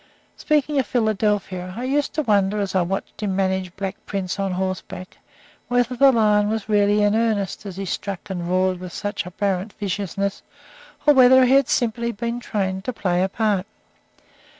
Speaking of Philadelphia, I used to wonder, as I watched him manage Black Prince on horseback, whether the lion was really in earnest as he struck and roared with such apparent viciousness, or whether he had simply been trained to play a part.